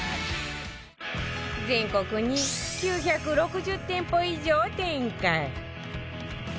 全国に９６０店舗以上展開